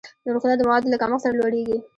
نرخونه د موادو له کمښت سره لوړېږي.